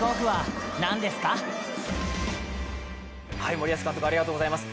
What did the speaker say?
森保監督、ありがとうございます。